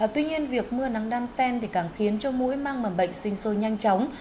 tuy nhiên việc mưa nắng đan sen thì càng khiến cho mũi mang mầm bệnh sinh sôi nhanh chóng